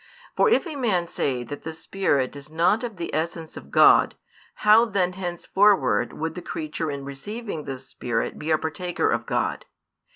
For if a man say that the Spirit is not of the essence of God, how then henceforward would the creature in receiving the Spirit be a partaker of God?